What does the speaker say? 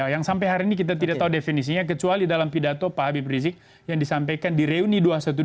yang sampai hari ini kita tidak tahu definisinya kecuali dalam pidato pak habib rizik yang disampaikan di reuni dua ratus dua belas